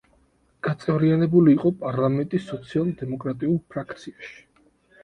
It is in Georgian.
გაწევრიანებული იყო პარლამენტის სოციალ-დემოკრატიულ ფრაქციაში.